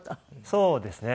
そうですね。